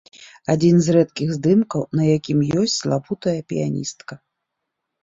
Адзін з рэдкіх здымкаў, на якім ёсць славутая піяністка.